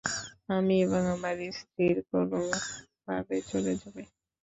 আমি এবং আমার স্ত্রীর কোনভাবে চলে যাবে।